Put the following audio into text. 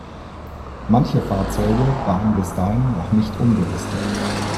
Manche Fahrzeuge waren bis dahin noch nicht umgerüstet.